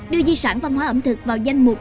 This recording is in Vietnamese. đưa di sản văn hóa ẩm thực vào danh mục